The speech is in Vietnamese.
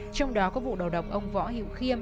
trong đó có vụ đầu độc ông võ hiệu khiêm